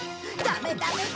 ダメダメ！